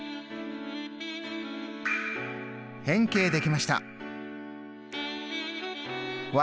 変形できました。